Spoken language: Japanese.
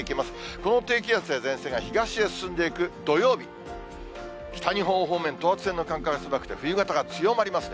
この低気圧や前線が東へ進んでいく土曜日、北日本方面、等圧線の間隔が狭くて、冬型が強まりますね。